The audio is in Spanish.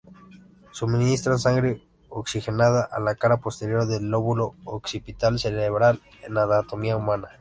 Suministran sangre oxigenada a la cara posterior del lóbulo occipital cerebral en anatomía humana.